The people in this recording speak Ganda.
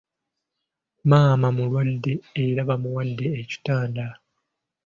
Maama mulwadde era baamuwadde ekitanda.